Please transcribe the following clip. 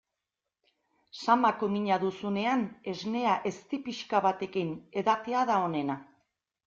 Samako mina duzunean esnea ezti pixka batekin edatea da onena.